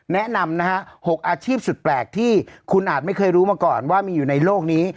แนะนำนะฮะ๖อาชีพสุดแปลกที่คุณอาจไม่เคยรู้มาก่อนว่ามีอยู่ในโลกนี้